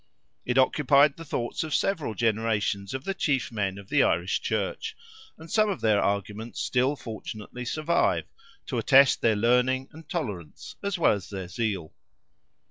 It occupied the thoughts of several generations of the chief men of the Irish Church, and some of their arguments still fortunately survive, to attest their learning and tolerance, as well as their zeal.